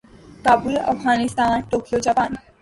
Kabul Afghanistan Tokyo Japan